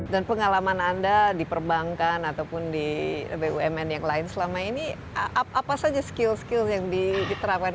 dan pengalaman anda di perbankan ataupun di bumn yang lain selama ini apa saja skill skill yang diterapkan